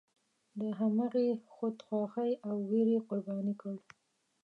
د همغې خودخواهۍ او ویرې قرباني کړ.